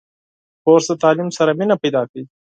کورس د تعلیم سره مینه پیدا کوي.